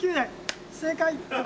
正解！